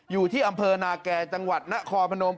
อยู่ที่อำเภอนาแก่จังหวัดนครพนม